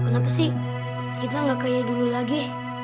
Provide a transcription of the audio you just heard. kenapa sih kita gak kayak dulu lagi